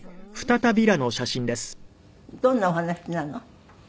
どんなお話なの？